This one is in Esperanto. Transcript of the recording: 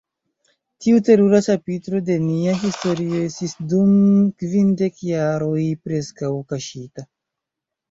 Tiu terura ĉapitro de nia historio estis dum kvindek jaroj preskaŭ kaŝita.